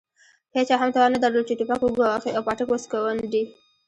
هېچا هم توان نه درلود چې توپک وګواښي او پاټک وسکونډي.